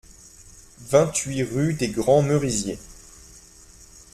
vingt-huit rue des Grands Merisiers